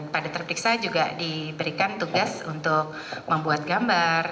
pada terperiksa juga diberikan tugas untuk membuat gambar